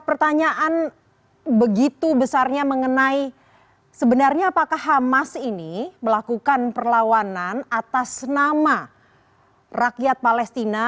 pertanyaan begitu besarnya mengenai sebenarnya apakah hamas ini melakukan perlawanan atas nama rakyat palestina